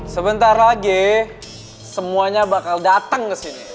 sebentar lagi semuanya bakal dateng kesini